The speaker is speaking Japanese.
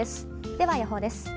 では予報です。